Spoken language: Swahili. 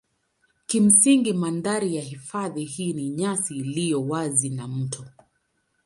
Kimsingi mandhari ya hifadhi hii ni nyasi iliyo wazi na mito.